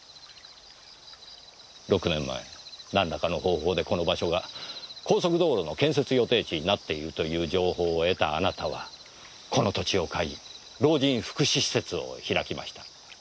６年前何らかの方法でこの場所が高速道路の建設予定地になっているという情報を得たあなたはこの土地を買い老人福祉施設を開きました。